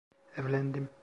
Evlendim.